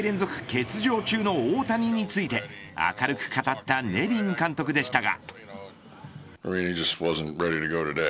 欠場中の大谷について明るく語ったネビン監督でしたが。